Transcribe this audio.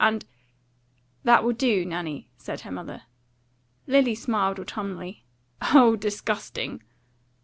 And " "That will do, Nanny," said her mother. Lily smiled autumnally. "Oh, disgusting!"